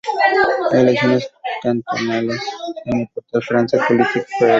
Elecciones cantonales en el portal France-politique.fr